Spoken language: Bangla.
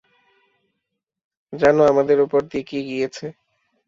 জানো আমাদের ওপর দিয়ে কী গিয়েছে?